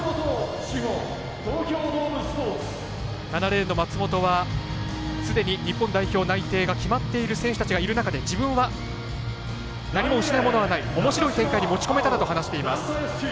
７レーンの松本はすでに日本代表内定が決まっている選手たちがいる中で自分は、何も失うものはないおもしろい展開に持ち込めたらと話しています。